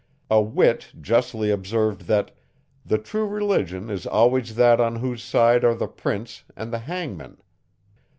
A wit justly observed, that _the true religion is always that, on whose side are the prince and the hangman.